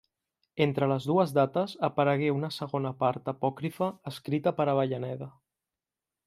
Entre les dues dates aparegué una segona part apòcrifa escrita per Avellaneda.